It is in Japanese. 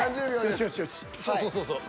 そうそうそうそう。